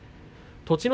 栃ノ